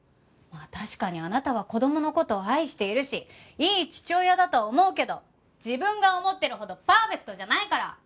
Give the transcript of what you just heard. まあ確かにあなたは子供の事を愛しているしいい父親だと思うけど自分が思ってるほどパーフェクトじゃないから！